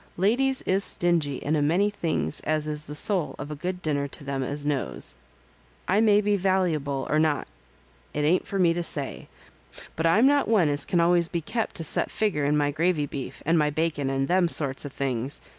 Ladies is stingy in a many things as is the soul of a good dinner to them as knows. I may be valleyable or not^ it ain't for me to say ; but I'm not one as can always be kept to a set figger in my gravy beef, and my bacon, and them sorts of things.